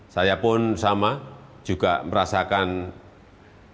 saya pun sama juga merasakan